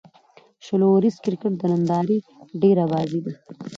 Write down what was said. شل اووريز کرکټ د نندارې ډېره بازي ده.